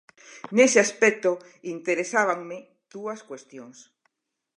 Nese aspecto interesábanme dúas cuestións.